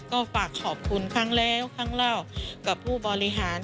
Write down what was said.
ก็ฝากขอบคุณครั้งแล้วครั้งเล่ากับผู้บริหาร